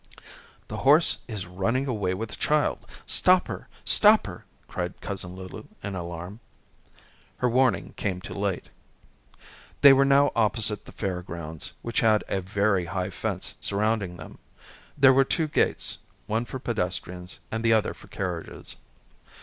"The horse is running away with the child. Stop her, stop her," cried Cousin Lulu in alarm. Her warning came too late. They were now opposite the Fair grounds, which had a very high fence surrounding them. There were two gates, one for pedestrians and the other for carriages.